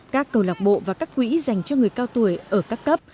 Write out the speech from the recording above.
các cầu lạc bộ và các quỹ dành cho người cao tuổi ở các cấp